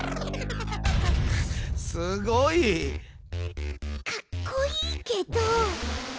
すごい！かっこいいけど。